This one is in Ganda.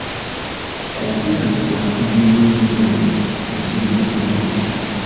Kompyuta zikola emirimu egy'enjawulo okusinziira ku mukozesa.